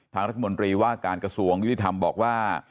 ทางรัฐมนตรีว่าการกระทรวงยุติธรรมบอกว่า